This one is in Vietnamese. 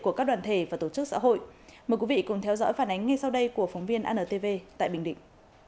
của các đoàn thể và tổ chức xã hội mời quý vị cùng theo dõi phản ánh ngay sau đây của phóng viên antv tại bình định